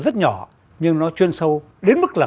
rất nhỏ nhưng nó chuyên sâu đến mức là